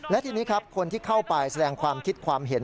และทีนี้ครับคนที่เข้าไปแสดงความคิดความเห็น